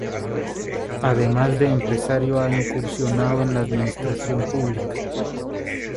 Además de empresario, ha incursionado en la administración pública.